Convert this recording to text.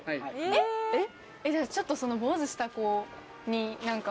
えっ！